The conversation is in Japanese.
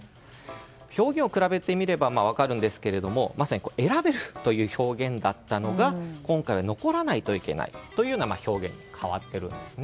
表現を比べてみると分かるんですが選べるという表現だったのが今回は残らないといけないというような表現に変わってるんですね。